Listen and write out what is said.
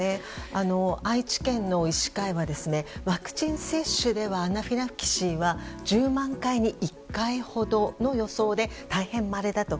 愛知県の医師会はワクチン接種ではアナフィラキシーは１０万回に１回ほどの予想で大変まれだと。